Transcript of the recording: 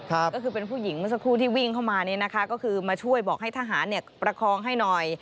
ก็คือเป็นผู้หญิงเมื่อสักครู่ที่วิ่งเข้ามาเนี่ยนะคะก็คือมาช่วยบอกให้ทหารเนี่ยประคองให้หน่อย